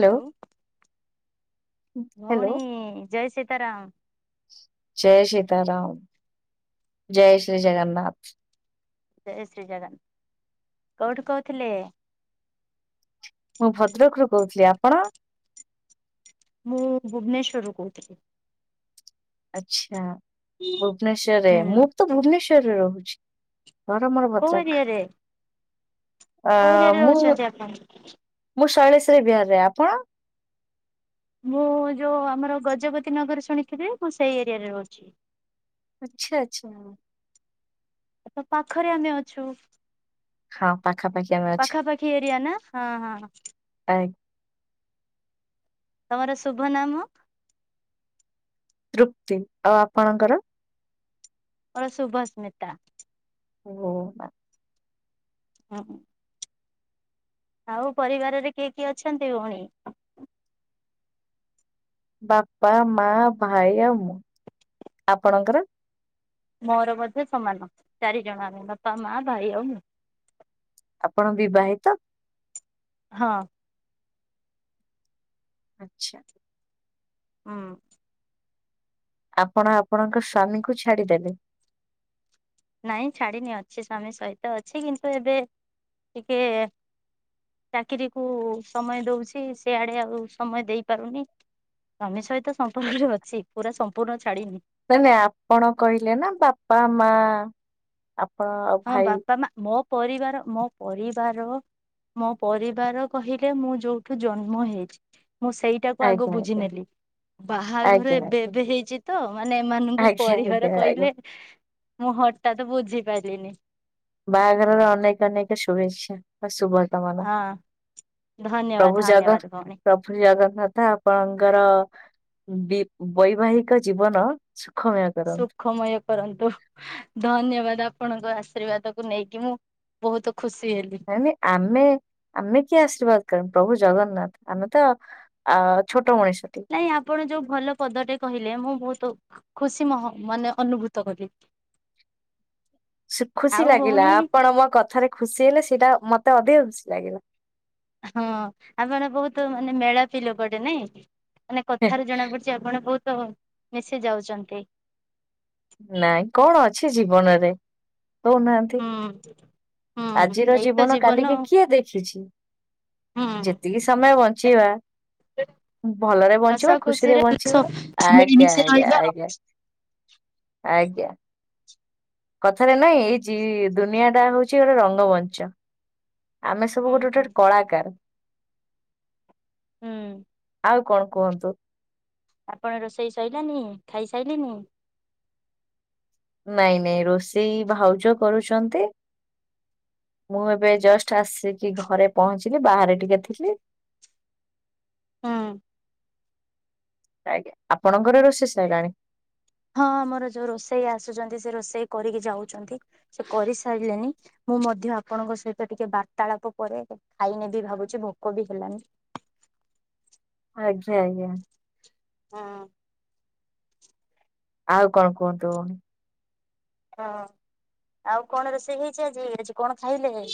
Hello hello ଭଉଣୀ ଜୟ ସୀତାରାମ। ଜୟ ସୀତାରାମ ଜୟ ଶ୍ରୀ ଜଗନ୍ନାଥ। ଜୟ ସୀତାରାମ କୋଉଠୁ କହୁଥିଲେ। ମୁଁ ଭଦ୍ରକ ରୁ କହୁଥିଲି ଆପଣ। ମୁଁ ଭୁବନେଶ୍ୱରରୁ କହୁଥିଲି। ଆଛା ଭୁବନେଶ୍ୱରରେ ହୁଁ ମୁଁ ବି ତ ଭୁବନେଶ୍ଵରରେ ରହୁଛି। ଘାର ମୋର କୋଉ ଭଦ୍ରକ। ଏରିଆରେ ଅ କୋଉ ଏରିଆରେ ମୁଁ ରହୁଛନ୍ତି ଆପଣ। ମୁଁ ଶୈଳେଶରୀ ବିହାରରେ ଆପଣ। ମୁଁ ଯେଉ ଆମର ଗଜପତି ନଗର ଶୁଣିଥିବେ ମୁଁ ସେଇ ଏରିଆରେ ରହୁଛି। ଆଚ୍ଛା ଆଚ୍ଛା। ତ ପାଖରେ ଆମେ ଅଛୁ। ହଁ ପାଖାପାଖି ଆମେ ଅଛି ପାଖାପାଖି ଏରିଆ ନା ହଁ ହଁ। ଆ, ତମର ଶୁଭ ନାମ। ତୃପ୍ତି ଆଉ ଆପଣଙ୍କର। ମୋର ସୁଭସ୍ମିତା। ଓ। ହଁ। ଆଉ ପରିବାରରେ କିଏ କିଏ ଅଛନ୍ତି ଭଉଣୀ। ବାପା ମା ଭାଇ ଆଉ ମୁଁ ଆପଣଙ୍କର। ମୋର ମଧ୍ୟ ସମାନ ଚାରିଜଣ ଆମେ ବାପା ମା ଭାଇ ଆଉ ମୁଁ। ଆପଣ ବିବାହିତ। ହଁ। ଆଛା ହୁଁ। ଆପଣ ଆପଣଙ୍କ ସ୍ଵାମୀଙ୍କୁ ଛାଡିଦେଲେ। ନାଇଁ ଛାଡିନି ଅଛି ସ୍ୱାମୀ ସହିତ ଅଛି କିନ୍ତୁ ଏବେ ଟିକେ। ଚାକିରିୀ କୁ ସମୟ ଦଉଛି ସେଆଡେ ଆଉ ସମୟ ଦେଇ ପାରୁନି। ସ୍ୱାମୀ ସହିତ ସମ୍ପୂର୍ଣରେ ଅଛି ପୁରା ସମ୍ପୂର୍ଣ୍ଣ ଛାଡିନି। ନଇ ନାଇଁ ଆପଣ କହିଲେ ନା ବାପା ମା ଆପଣ ହଁ ଭାଇ। ବାପା ମା ମୋ ପରିବାର ମୋ ପରିବାର ମୋ ପରିବାର କହିଲେ ମୁଁ ଯୋଉଠୁ ଜନ୍ମ ହେଇଛି ମୁଁ ସେଇ ଟାକୁ ଆଗ ଆଜ୍ଞା ବୁଝି ଆଜ୍ଞା ନେଲି ବାହାଘର ଆଜ୍ଞା ଏବେ ଏବେ ହେଇଛି ତ ମାନେ ଏମାନଙ୍କୁ ଆଜ୍ଞା ଆଜ୍ଞା ଆଜ୍ଞା ପରିବାର ଆଜ୍ଞା। କହିଲେ ମୁଁ ହଟାତ ବୁଝି ପାରିଲିନି। ବାହାଘରର ଅନେକ ଅନେକ ଶୁଭେଚ୍ଛା। ଶୁଭକାମନା ହଁ ଧନ୍ୟବାଦ ପ୍ରଭୁ ଯାଗା ଧନ୍ୟବାଦ ଭଉଣୀ। ପ୍ର ଶ୍ରୀ ଜଗନ୍ନାଥ ଆପଣଙ୍କର ବି ବୈବାହିକ ଜୀବନ ସୁଖମୟ କରନ୍ତୁ। ସୁଖମୟ କରନ୍ତୁ, ଧନ୍ୟବାଦ ଆପଣଙ୍କ ଆଶୀର୍ବାଦକୁୁ ନେଇକି ମୁଁ ବହୁତ ଖୁସି ହେଲି। ଆମେ ଆମେ କିଏ ଆଶୀର୍ବାଦ କୁ ପ୍ରଭୁ ଜଗନ୍ନାଥ ଆମେ ତ ଆ ଛୋଟ ମଣିଛ ଟିଏ। ନାଇଁ ଆପଣ ଯୋଉ ଭଲ ପଦଟେ କହିଲେ ମୁଁ ବହୁତ ଖୁସି ମହ ମାନେ ଅନୁଭୂତ କଲି। ଖୁସି ଆଉ ଲାଗିଲା ଭଉଣୀ ଆପଣ ମୋ କଥାରେ ଖୁସି ହେଲେ ସେଇଟା ମତେ ଅଧିକ ଖୁସି ଲାଗିଲା। ହଁ ଆପଣ ବହୁତ ମାନେ ମେଳାପି ଲୋକଟେ ନାଇଁ ମାନେ କଥାରୁ ଜଣା ପଡୁ ଚି ଆପଣ ବହୁତ ମିଶି ଯାଉଛନ୍ତି। ନାଇଁ କଣ ଅଛି ଜୀବନରେ କହୁନାହାନ୍ତି। ହଁ। ଆଜିର ଜୀବନ କାଲିକି କିଏ ଦେଖିଛି। ହୁଁ। ଯେତିକି ସମୟ ବଞ୍ଚିବା ଭଲରେ ବଞ୍ଚିବା ଖୁସିରେ ବଞ୍ଚିବା ଆଜ୍ଞା ମିଳିମିଶି ଆଜ୍ଞା ରହିବା ଆଉ। ଆଜ୍ଞା। ଆଜ୍ଞା। କଥାରେ ନାଇଁ ଏଇ ଯ ଦୁନିଆ ଟା ହଉଛି ଗୋଟେ ରଙ୍ଗମଞ୍ଚ। ଆମେ ସବୁ ହୁଁ ଗୋଟେ ଗୋଟେ କଳାକାର। ହୁଁ। ଆଉ କଣ କୁହନ୍ତୁ? ଆପଣ ରୋଷେଇ ସଇଲାନି ଖାଇସାଇଲେନି। ନାଇଁ ନାଇଁ ରୋଷେଇ ଭାଉଜ କରୁଛନ୍ତି। ମୁଁ ଏବେ ଜଷ୍ଟ ଆସିକି ଘରେ ପହଞ୍ଚିଲି ବାହାରେ ଟିକେ ଥିଲି। ହଁ। ଆଜ୍ଞା ଆପଣଙ୍କର ରୋଷେଇ ସାଇଲାଣି? ହଁ ଆମର ଯୋଉ ରୋଷେଇଆ ଆସୁଛନ୍ତି ସେ ରୋଷେଇ କରିକି ଯାଉଛନ୍ତି ସେ କରିସାରିଲେନି। ମୁଁ ମଧ୍ୟ ଆପଣଙ୍କ ସହିତ ଟିକେ ବାର୍ତାଳାପ ପରେ ଖାଇନେବି ଭାବୁଛି ଭୋକ ବି ହେଲାନି। ଆଜ୍ଞା ଆଜ୍ଞା। ହଁ। ଆଉ କଣ କୁହନ୍ତୁ। ହଁ ଆଉ କଣ ରୋଷେଇ ହେଇଛି ଆଜି ଆଜି କଣ ଖାଇଲେ?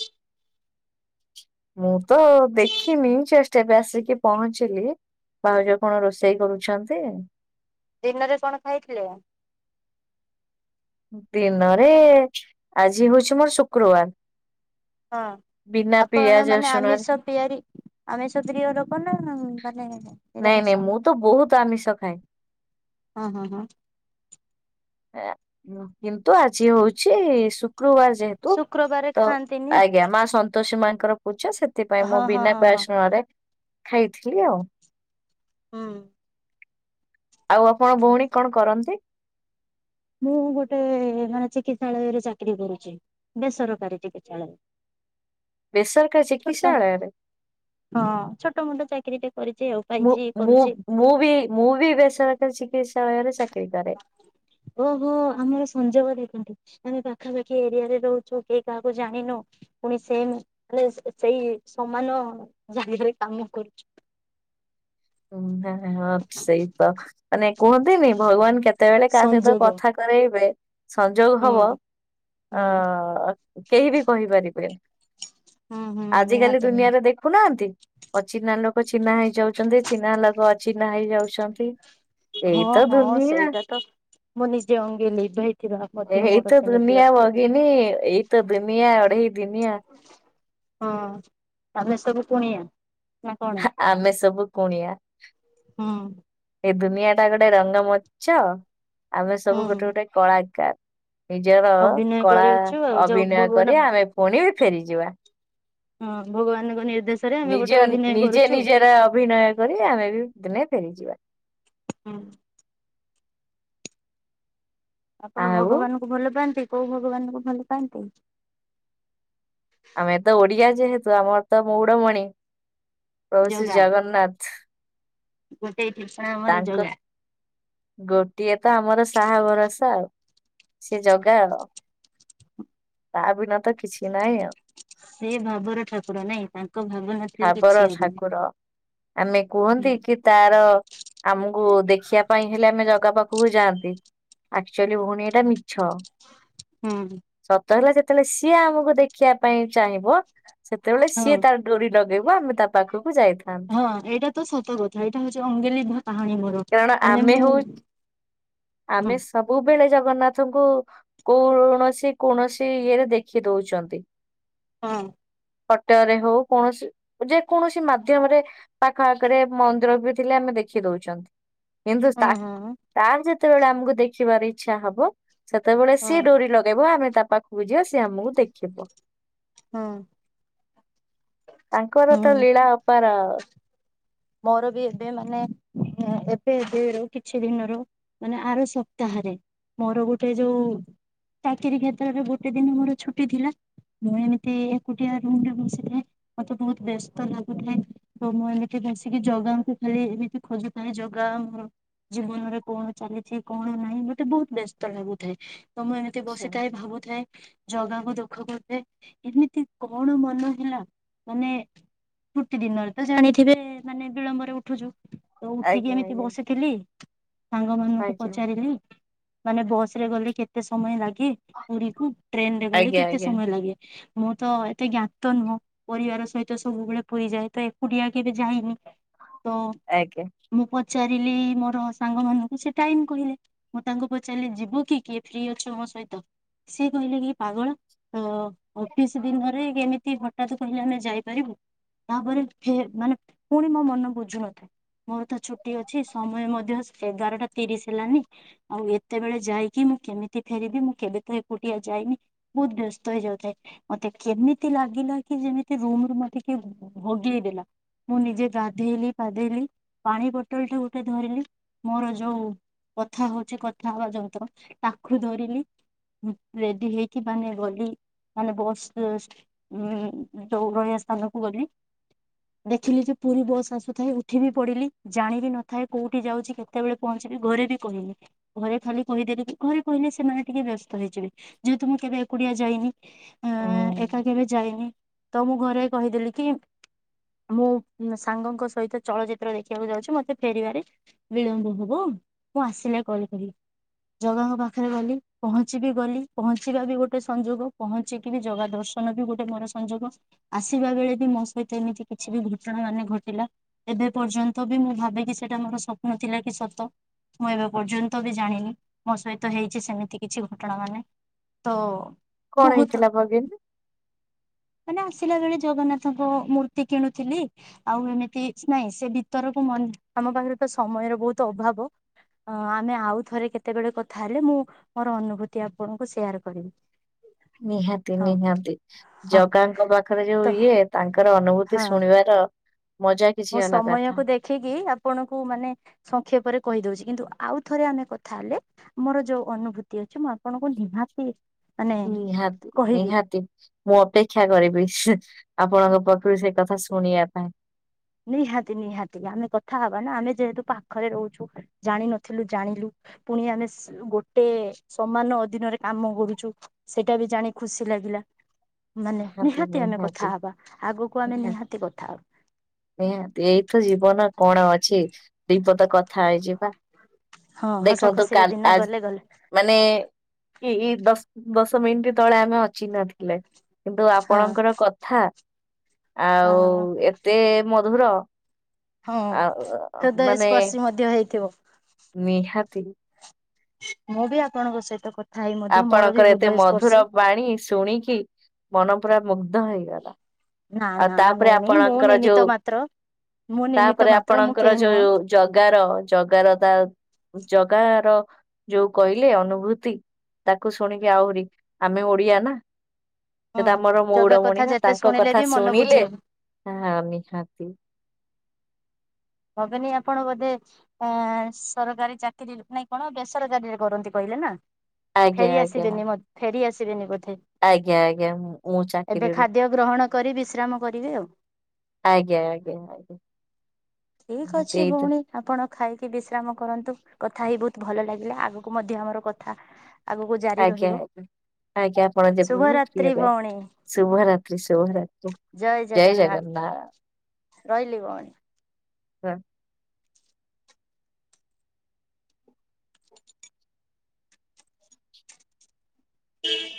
ମୁଁ ତ ଦେଖିନି ଜଷ୍ଟ ଏବେ ଆସିକି ପହଞ୍ଚିଲି। ଭାଉଜ କଣ ରୋଷେଇ କରୁଛନ୍ତି? ଦିନରେ କଣ ଖାଇଥିଲେ? ଦିନରେ ଆଜି ହଉଛି ମୋର ଶୁକ୍ରବାର। ହଁ ବିନା ଆପଣ ପିଆଜ ମାନେ ରସୁଣରେ ଆମିଷ ପିଆରି ଆମିଷ ପ୍ରିୟ ଲୋକ ନା ମାନେ ନାଇଁ ନାଇଁ ନିରାମିଷ। ମୁଁ ବହୁତ ତ ଆମିଷ ଖାଏ। ହଁ ହଁ ହଁ। କିନ୍ତୁ ଆଜି ହଉଛି ଶୁ କ୍ରୁବାର ଯେହେତୁ ଶୁକ୍ରବାରେ ତ ଖାଆନ୍ତିନି ଆଉ। ଆଜ୍ଞା ମା ସ ସତୋଷୀ ମାଙ୍କର ପୂଜା ସେଥିପାଇଁ ହଁ ମୁଁ ହଁ ବିନା ହଁ ହଁ। ପିଆସୁଣରେ ଖାଇଥିଲି ଆଉ। ହୁଁ। ଆଉ ଆପଣ ଭଉଣୀ କଣ କରନ୍ତି? ମୁଁ ଗୋଟେ ମାନେ ଚିକିତ୍ସାଳୟରେ ଚାକିରି କରୁଛି ବେସରକାରୀ ଚିକିତ୍ସାଳୟ। ବେସରକାରି ଛୋଟ। ଚିକିତ୍ସାଳୟ ରେ। ହଁ ଛୋଟମୋଟ ଚାକିରି ଟେ କରିଚି ଆଉ। ମୁ ପାଇଛି ମୁ କରୁଛି ମୁୂଭିି ମୁୂଭି ବେସରକାର ଚିକିତ୍ସାଳୟରେ ଚାକିରି କରେ। ଓହୋ ଆମର ସଂଯୋଗ ଦେଖନ୍ତୁ ଆମେ ପାଖାପାଖି ଏରିଆରେ ରହୁଛୁ କେହି କାହାକୁ ଜାଣିନୁ। ପୁଣି ସେ ମାନେ ସେଇ ସମାନ ଜାଗାରେ କାମ କରୁଚୁ। [inaudible] ହୁଁଁ ସେଇ ତ ମାନେ କୁହନ୍ତିନି ଭଗବାନ କେତେବେଳେ କାହା ସହିତ ସଂଯୋଗ କଥା କରେଇବେ ସଂଯୋଗ ହୁଁ ହବ ହୁଁ। ଅ କେହି ବି କହିପାରିବେ ହୁଁ ହୁଁ ଆଜିକାଲି ନିହାତି ଦୁନିଆରେ ନିହାତି ଦେଖୁନାହାନ୍ତି। ଅଚିହ୍ନା ଲୋକ ଚିହ୍ନା ହେଇଯାଉଛନ୍ତି ଚିହ୍ନା ଲୋକ ଅଚିହ୍ନା ହେଇଯାଉଛନ୍ତି। ଏଇ ହଁ ତ ହଁ ଦୁନିଆ। ସେଇଟା ତ ମୁଁ ନିଜେ ଅଙ୍ଗେ ଲିଭାଇଥିବା ମଧ୍ୟ ଏଇ ମୋର ତ ସେମିତି ଦୁନିଆ ଅଛି ଭଗିନୀ ଏଇ ତ ଦୁନିଆ ଅଢ଼େଇ ଦିନିଆ। ହଁ ଆମେ ସବୁ କୁଣିଆ। ନା କଣ ହା ଆମେ ସବୁ କୁଣିଆ। ହୁଁ ଏ ଦୁନିଆଟା ଗୋଟେ ରଙ୍ଗମଂଚ ଆମେ ସବୁ ଗୋଟେ ହୁଁ। ଗୋଟେ କଳାକାର। ନିଜର ଅଭିନୟ କଳା କରଉଛୁ ଆଉ ଯୋଉ ଅଭିନୟ ଭଗବାନ କରି ଆମେ ପୁଣି ବି ଫେରିଯିବା। ହଁ ଭଗବାନଙ୍କ ନିର୍ଦ୍ଦେଶ। ନିଜ ନିଜେ ନିଜର ଅଭିନୟ କରି ଆମେ ବି ଦିନେ ଫେରିଯିବା। ହୁଁ ଆପଣ ଆଉ ଭଗବାନଙ୍କୁ ଭଲପାଆନ୍ତି କୋଉ ଭଗବାନଙ୍କୁ ଭଲପାଆନ୍ତି? ଆମେ ତ ଓଡ଼ିଆ ଯେହେତୁ ଆମର ତ ମଉଡମଣି ପ୍ରଭୁ ଶ୍ରୀ ଯୋଗା ଜଗନ୍ନାଥ୍। ଗୋଟେ ଭୀଷଣା ଆମର ତାଙ୍କ ଜଗା। ଗୋଟିଏ ତ ଆମର ସାହା ଭରସା ଆଉ ସେ ଜାଗା ଆଉ। ତା ବିନା ତ କିଛି ନାଇଁ ଆଉ। ସେ ଭାବର ଠାକୁର ନାଇଁ ତାଙ୍କ ଭାବନା ଭାବର ଠାକୁର ଆମେ ହୁଁ। କୁହନ୍ତି କି ତାର ଆମକୁ ଦେଖିବା ପାଇଁ ହେଲେ ଆମେ ଜଗା ପ କୁ ଯାଆନ୍ତି ଆକ୍ଚୁଆଲି ଭଉଣୀ ଏଇଟା ମିଛ। ହୁଁ। ସତ ହେଲା ଯେତେବେଳେ ସିଏ ଆମକୁ ଦେଖିବା ପାଇଁ ଚାହିଁବ ସେତେବେଳେ ହଁ ସିଏ ତାର ଡୋରି ଲଗେଇବ ଆମେ ତା ପାଖକୁ ଯାଇଥାନ୍। ହଁ ଏଇଟା ତ ସତ କଥା ଏଇଟା ହଉଛି ଅଙ୍ଗେଲିଭା କାହାଣୀ ମୋର କାରଣ ମାନେ ଆମେ ମୁଁ ହଉ ହଁ ଆମେ ସବୁବେଳେ ଜଗନ୍ନାଥଙ୍କୁ କୌଣସି କୌଣସି ଇଏରେ ଦେଖି ଦଉଚନ୍ତି। ହଁ। ଫଟରେ ହଉ କୌଣସି ଯେ କୌଣସି ମାଧ୍ୟମରେ ପାଖ ଆଖରେ ମନ୍ଦିର ବି ଥିଲେ ଆମେ ଦେଖି ଦଉଛନ୍ତି। କିନ୍ତୁ ହଁ ତାକ୍ ହଁ ତାର ଯେତେବେଳେ ଆମକୁ ଦେଖିବାର ଇଚ୍ଛା ହବ ସେତେବେଳେ ହଁ ସିଏ ଡୋରି ଲଗେଇବ ଆମେ ତା ପାଖକୁ ଯିବା ସିଏ ଆମକୁ ଦେଖିବ। ହଁ ତାଙ୍କର ହୁଁ। ତ ଲୀଳା ଅପାର। ମୋର ବି ଏବେ ମାନେ ଏବେ ଏବେରୁ କିଛି ଦିନରୁ ମାନେ ଆର ସପ୍ତାହରେ ମୋର ଗୋଟେ ଯୋଉ ଚାକିରୀ କ୍ଷେତ୍ରରେ ଗୋଟେ ଦିନି ମୋର ଛୁଟି ଥିଲା। ମୁଁ ଏମିତି ଏକୁଟିଆ ରୁମରେ ବସିଥାଏଁ ମତେ ବହୁତ ବ୍ୟସ୍ତ ଲାଗୁଥାଏ ତ ମୁଁ ଏମି ଟିକେ ବସିକି ଜଗ ଆମକୁ ଖାଲି ଏମିତି ଖୋଜୁଥାଏ ଜଗା ଆମର ଜୀବନରେ କଣ ଚାଲିଛି କଣ ନାଇଁ ମତେ ବହୁତ ବ୍ୟସ୍ତ ଲାଗୁଥାଏ। ତ ମୁଁ ଏମିତି ଆଚ୍ଛା ବସିଥାଏ ଭାବୁଥାଏ। ଜଗାକୁ ଦୁଃଖ କରାଏ ଏମିତି କଣ ମନ ହେଲା ମାନେ ଗୁଟି ଦିନରେ ତ ଜାଣି ଥିବେ ମାନେ ବିଳମ୍ବରେ ଉଠୁଛୁ ତ ଉଠିକି ଆଜ୍ଞା ଏମିତି ଆଜ୍ଞା ବସିଥିଲି। ସାଙ୍ଗ ଆଜ୍ଞା ମାନଙ୍କୁ ପଚାରିଲି ମାନେ, ବସରେ ଗଲେ କେତେ ସମୟ ଲାଗେ? ପୁରୀକୁ ଟ୍ରେନରେ ଗଲେ ଆଜ୍ଞା କେତେ ଆଜ୍ଞା ସମୟ ଲାଗେ? ମୁଁ ତ ଏତେ ଜ୍ଞାତ ନୁହଁ ପରିବାର ସହିତ ସବୁବେଳେ ପୁରୀ ଯାଏ ତ ଏକୁଟିଆ କେବେ ଯାଇନି ତ ଆଜ୍ଞା। ମୁଁ ପଚାରିଲି ମୋର ସାଙ୍ଗ ମାନଙ୍କୁ ସେ ଟାଇମ କହିଲେ। ମୁଁ ତାଙ୍କୁ ପଚାରିଲି ଯିବୁ କି କିଏ ଫ୍ରି ଅଛ ମୋ ସହିତ ସିଏ କହିଲେ କି ପାଗଳ ତ ଅଫିସ୍ ଦିନରେ ଏମିତି ହଠାତ୍ କହିଲେ ଆମେ ଯାଇପାରିବୁ ତାପରେ ଫେ ମାନେ ପୁଣି ମୋ ମନ ବୁଝୁ ନଥାଏ। ମୋର ତ ଛୁଟି ଅଛି ସମୟ ମଧ୍ୟ ଏଗାରଟା ତିରିଶ ହେଲାନି। ଆଉ ଏତେବେଳେ ଯାଇକି ମୁଁ କେମିତି ଫେରିବି ମୁଁ କେବେ ତ ଏକୁଟିଆ ଯାଇନି। ବହୁତ ବ୍ୟସ୍ତ ହେଇ ଯାଉଥାଏ। ମତେ କେମିତି ଲାଗିଲା କି ଯେମିତି ରୁମରୁ ମତେ କିଏ ଭଗେଇ ଦେଲା? ମୁଁ ନିଜେ ଗାଧେଇଲି ପାଧେଇଲି ପାଣି ବୋଟଲଟା ଗୋଟେ ଧରିଲି ମୋର ଯୋଉ କଥା ହଉଚି କଥା ହବା ଯନ୍ତ୍ର ତାକୁ ଧରିଲି। ଉଁ ରେଡି ହେଇକି ମାନେ ଗଲି ମାନେ ବସ୍ ଜଷ୍ଟ ଉଁ ଦୌଡ଼ ଏସନକୁ ଗଲି। ଦେଖିଲି ଯେ ପୁରୀ ବସ୍ ଆସୁଥାଏ ଉଠିଲି ପଡିଲି ଜାଣିବି ନଥାଏ କୋଉଠି ଯାଉଚି କେ ସେତେବେଳେ ପହଞ୍ଚିବି ଘରେ ବି କହିଲେ ଘରେ ଖାଲି କହିଦେଲି କି ଘରେ କହିଲେ ସେମାନେ ଟିକେ ବ୍ୟସ୍ ତ ହେଇଯିବେ ଯେହେତୁ ମୁଁ କେବେ ଏକୁଡିଆ ଯାଇନି ଆଁ ଏକା ହୁଁ କେବେ ଯାଇନି। ତ ମୁଁ ଘରେ କହିଦେଲି କି? ମୁଁ ସାଙ୍ଗଙ୍କ ସହିତ ଚଳଚିତ୍ର ଦେଖିବାକୁ ଯାଉଛି ମତେ ଫେରିବାରେ ବିଳମ୍ବ ହବ ମୁଁ ଆସିଲେ କଲ କରିବି। ଜଗାଙ୍କ ପାଖରେ ଗଲି ପହଞ୍ଚି ବିି ଗଲି ପହଞ୍ଚିବା ବି ଗୋଟେ ସଂଯୋଗ ପହ ପହଞ୍ଚିକି ଜଗା ଦର୍ଶନ ବି ଗୋଟେ ମୋର ସଂଯୋଗ ଆସିବା ବେଳେ ବି ମୋ ସହିତ ଏମିତି କିଛି ବି ଘଟଣା ମାନେ ଘଟିଲା। ଏବେ ପର୍ଯ୍ୟନ୍ତ ବି ମୁଁ ଭାବେକି ସେଇଟା ମୋର ସ୍ୱପ୍ନ ଥିଲା କି ସତ? ମୁଁ ଏବେ ପର୍ଯ୍ୟନ୍ତ ବି ଜାଣିନି ମୋ ସହିତ ହେଇଛି ସେମିତି କିଛି ଘଟଣା ମାନେ। ତ କଣ ବହୁତ ହେଇଥିଲା ଭଗିନ? ମାନେ ଆସିଲା ବେଳେ ଜଗନ୍ନାଥଙ୍କ ମୂର୍ତ୍ତି କିଣୁଥିଲି। ଆଉ ଏମିତି ନାଇଁ ସେ ଭିତରକୁ ମ ଆମ ପାଖରେ ତ ସମୟର ବହୁତ ଅଭାବ ଅ ଆମେ ଆଉ ଥରେ କେତେବେଳେ କଥା ହେଲେ ମୁଁ ମୋର ଅନୁଭୂତି ଆପଣଙ୍କୁ ସେୟାର କରିବି। ନିହାତି ହଁ ନିହାତି ହଁ ଜଗାଙ୍କ ପାଖରେ ତ ଯୋଉ ଇଏ। ତାଙ୍କର ଅନୁଭୂତି ଶୁଣିବାର ମଜା କିଛି ମୁଁ ଅଲଗା ଥାଏ ସମୟକୁ ଦେଖିକି ଆପଣଙ୍କୁ ମାନେ ସଂକ୍ଷେପରେ କହିଦଉଛି କିନ୍ତୁ ଆଉ ଥରେ ଆମେ କଥା ହେଲେ। ମୋର ଯୋଉ ଅନୁଭୂତି ଅଛି ମୁଁ ଆପଣଙ୍କୁ ନିହାତି ମାନେ ନିହାତି କହିବି ନିହାତି। ମୁଁ ଅପେକ୍ଷା କରିବି ହିଁ ଆପଣଙ୍କ ପାଖରୁ ସେ କଥା ଶୁଣିଆ ପାଇଁ। ନିହାତି ନିହାତି ଆମେ କଥା ହବା ନା ଆମେ ଯେହେତୁ ପାଖରେ ରହୁଛୁ ଜାଣିିନଥିଲୁ ଜାଣିଲୁ। ପୁଣି ଆମେ ସେ ଗୋଟେ ସମାନ ଅଧୀିନରେ କାମ କରୁଛୁ। ସେଇଟା ବି ଜାଣି ଖୁସି ଲାଗିଲା ମାନେ ନିହାତି ଆମେ କଥା ହବା। ଆଗକୁ ଆମେ ନିହାତି କଥା ହବା। ନିହାତି ଏଇତ ଜୀବନ କଣ ଅଛି ଦିପଦ କଥା ହେଇଯିବା। ହଁ ହସ ଦେଖନ୍ତୁ ଖୁସିରେ କାଲି ଦିନ ଆଜି ଗଲେ ଗଲ। ମାନେ କି ଏଇ ଦଶ ଦଶ ମିନିଟ ତଳେ ଆମେ ଅଚିହ୍ନା ଥିଲେ। କିନ୍ତୁ ହଁ ଆପଣଙ୍କର କଥା ହଁ ଆଉ ଏତେ ମଧୁର ହଁ ଆ ଉ ହୃଦୟ ମାନେ ସ୍ପର୍ଶୀ ମଧ୍ୟ ହେଇଥିବ ନିହାତି। ମୁଁ ବି ଆପଣଙ୍କ ସହିତ କ ଆପଣଙ୍କର ଏତେ ମଧୁର ବାଣୀ ଶୁଣିକି ମନ ପୁରା ମୁଗ୍ଧ ହେଇଗଲା। ନା ଆଉ ନା ତାପରେ ଭଉଣୀ ମୁଁ ଆପଣଙ୍କର ନିମିତ୍ତ ଯୋଉ ମାତ୍ର ମୁଁ ନିମିତ୍ତ ତାପରେ ମାତ୍ର ମୁଁ ଆପଣଙ୍କର କେହି ନୁହଁ ଯୋଉ ଜଗାର ଜଗାର ତା ଜଗାର ଯୋଉ କହିଲେ ଅନୁଭୂତି ତାକୁ ଶୁଣିକି ଆହୁରି ଆମେ ଓଡିଆ ନା? ହଁ ସେ ତ ଆମର ଜଗା ମଉଡମଣି କଥା ନା ଯେତେ ତାଙ୍କ ଶୁଣିଲେ କଥା ବି ମନ ଶୁଣିଲେ ବୁଝେନି ହଁ ନିହାତି ଭଗିନୀ ଆପଣ ବୋଧେ ଆଁ ସରକାରୀ ଚାକିରି ନାଇଁ କଣ? ବେସରକାରୀରେ କରନ୍ତି କହିଲେ ନା? ଆଜ୍ଞା ଫେରି ଆଜ୍ଞା ଆସିବେନି ମ ଫେରି ଆସିବେନି ବୋଧେ! ଆଜ୍ଞା ଆଜ୍ଞା ମୁଁ ମୁଁ ଏବେ ଚାକିରିରୁ ଖାଦ୍ୟ ଗ୍ରହଣ କରି ବିଶ୍ରାମ କରିବେ ଆଉ। ଆଜ୍ଞା ଆଜ୍ଞା ଆଜ୍ଞା। ଠିକ୍ ନିହାତି ଅଛି ଏଇତ ଭଉଣୀ। ଆପଣ ଖାଇକି ବିଶ୍ରାମ କରନ୍ତୁ। କଥା ହେଇ ବହୁତ ଭଲ ଲାଗିଲା। ଆଗକୁ ମଧ୍ୟ ଆମର କଥା ଆଗକୁ ଜାରି ଆଜ୍ଞା ରହିବ। ଆଜ୍ଞା ଆଜ୍ଞା, ଆପଣ ଯେ ଫ୍ରି ଶୁଭରାତ୍ରି ହେବେ, ଭଉଣୀ ଶୁଭରାତ୍ରି! ଶୁଭରାତ୍ରି! ଜୟ ଜଗନ୍ନାଥ। ରହିଲି ଭଉଣୀ। ହଁ। ହୁଁ